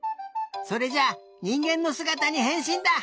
それじゃにんげんのすがたにへんしんだ！